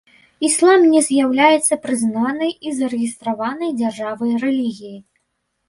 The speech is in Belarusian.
Іслам не з'яўляецца прызнанай і зарэгістраванай дзяржавай рэлігіяй.